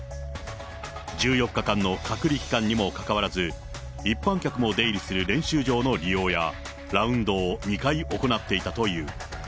１４日間の隔離期間にもかかわらず、一般客も出入りする練習場の利用や、ラウンドを２回行っていたという。